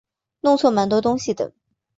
弄错蛮多东西的